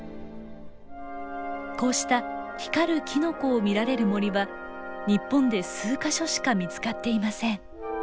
こうした光るキノコを見られる森は日本で数か所しか見つかっていません。